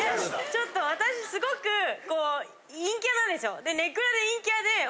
ちょっと私すごくこう陰キャなんですよ。